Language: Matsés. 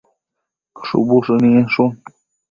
shubu shëninshun